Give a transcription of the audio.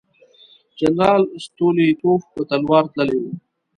جنرال ستولیتوف په تلوار تللی وو.